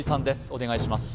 お願いします